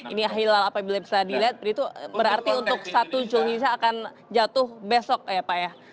ini hilal apabila bisa dilihat itu berarti untuk satu julhiza akan jatuh besok ya pak ya